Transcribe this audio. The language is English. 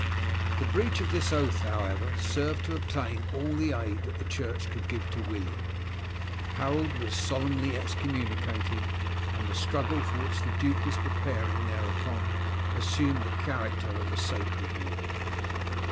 The breach of this oath, however, served to obtain all the aid that the church could give to William. Harold was solemnly excommunicated, and the struggle for which the duke was preparing thereupon assumed the character of a sacred war.